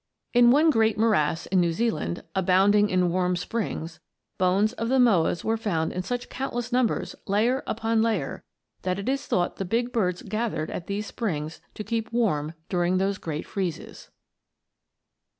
In one great morass in New Zealand abounding in warm springs, bones of the Moas were found in such countless numbers, layer upon layer, that it is thought the big birds gathered at these springs to keep warm during those great freezes.